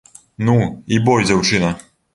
Ну, і бой дзяўчына.